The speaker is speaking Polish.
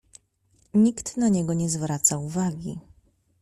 Nikt na niego nie zwraca uwagi.